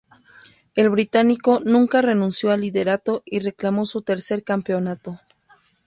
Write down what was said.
El británico nunca renunció al liderato y reclamó su tercer campeonato.